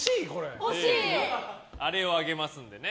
あれをあげますんでね。